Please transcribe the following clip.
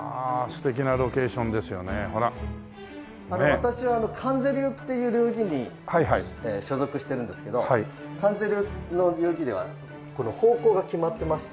私は観世流っていう流儀に所属してるんですけど観世流の流儀ではこの方向が決まってまして。